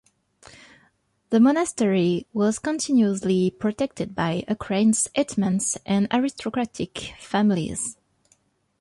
The monastery was continuously protected by Ukraine's hetmans and aristocratic families.